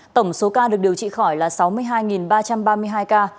tổng số ca được điều trị khỏi là sáu mươi hai ba trăm ba mươi hai ca